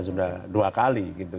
sudah dua kali gitu